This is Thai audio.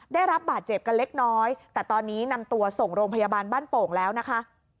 ได้รับบาดเจ็บกันเล็กน้อยแต่ตอนนี้นำตัวส่งโรงพยาบาลบ้านโป่งแล้วนะคะ